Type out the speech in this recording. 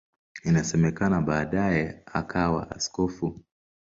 Inasemekana baadaye akawa askofu.